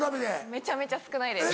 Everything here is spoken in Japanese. めちゃめちゃ少ないです。